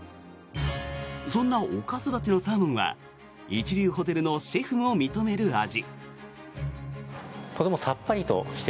そんなおかそだちのサーモンは一流ホテルのシェフも認める味。